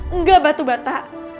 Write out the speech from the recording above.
enggak batu bata